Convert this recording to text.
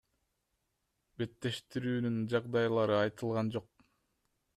Беттештирүүнүн жагдайлары айтылган жок.